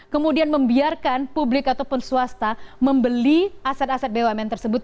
kemudian membiarkan publik ataupun swasta membeli aset aset bumn tersebut